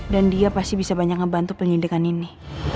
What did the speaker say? dia pasti bisa banyak ngebantu penyidikan ini